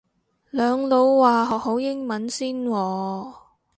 兩老話學好英文先喎